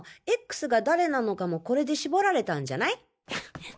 Ｘが誰なのかもコレで絞られたんじゃない？